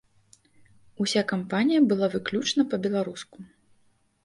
Уся кампанія была выключна па-беларуску.